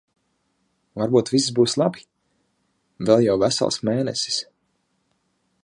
Varbūt viss būs labi? Vēl jau vesels mēnesis.